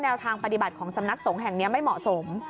ทางปฏิบัติของสำนักสงฆ์แห่งนี้ไม่เหมาะสม